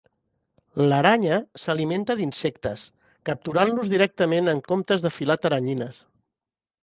L'aranya s'alimenta d'insectes, capturant-los directament en comptes de filar teranyines.